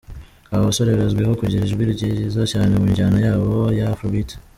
Aba basore bazwiho kugira ijwi ryiza cyane mu njyana yabo ya Afrobeat.